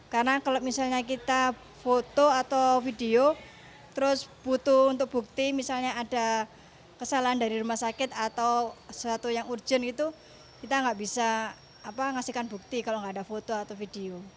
karena kalau misalnya kita foto atau video terus butuh untuk bukti misalnya ada kesalahan dari rumah sakit atau sesuatu yang urgent itu kita nggak bisa ngasihkan bukti kalau nggak ada foto atau video